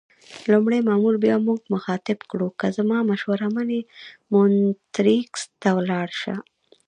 لومړي مامور بیا موږ مخاطب کړو: که زما مشوره منې مونټریکس ته ولاړ شه.